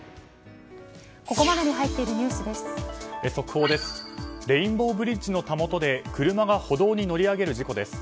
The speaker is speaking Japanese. ここまでに入っているニュースです。